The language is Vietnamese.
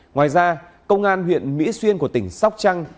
ngoài ra công an huyện mỹ xuyên của tỉnh sóc trăng